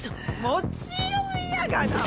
もちろんやがな。